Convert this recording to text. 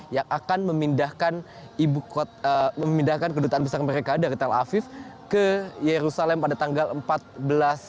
yang akan memindahkan kedutaan besar mereka dari tel aviv ke yerusalem pada tanggal empat belas maret